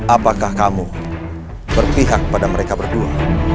apakah kamu berpihak pada mereka berdua